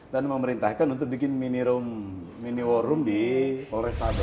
dan memerintahkan untuk bikin mini war room di polrestado